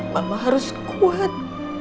mama harus kuat